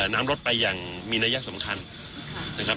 น้ำรถไปอย่างมีนัยสำคัญนะครับ